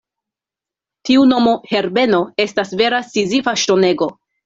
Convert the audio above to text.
Tiu nomo Herbeno estas vera Sizifa ŝtonego.